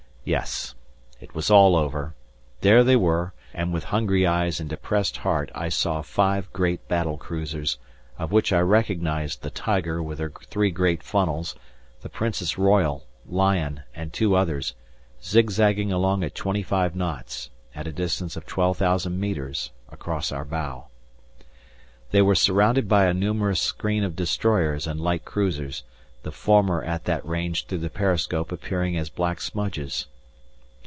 Yes! it was all over. There they were, and with hungry eyes and depressed heart I saw five great battle cruisers, of which I recognized the Tiger with her three great funnels, the Princess Royal, Lion and two others, zigzagging along at 25 knots, at a distance of 12,000 metres, across our bow. They were surrounded by a numerous screen of destroyers and light cruisers, the former at that range through the periscope appearing as black smudges.